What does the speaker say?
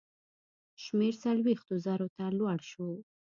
شمېر څلوېښتو زرو ته لوړ شو.